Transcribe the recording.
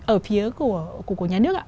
ở phía của nhà nước